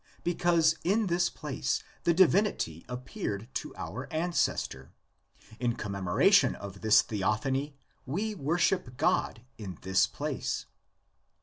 Because in this place the divin ity appeared to our ancestor. In commemoration of this theophany we worship God in this place.